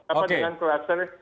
apa dengan kluster